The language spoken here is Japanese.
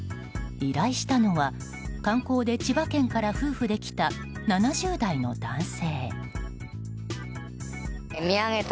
依頼したのは観光で千葉県から夫婦で来た７０代の男性。